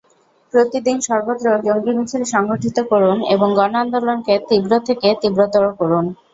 প্রতিদিন সর্বত্র জঙ্গি মিছিল সংঘটিত করুন এবং গণ-আন্দোলনকে তীব্র থেকে তীব্রতর করুন।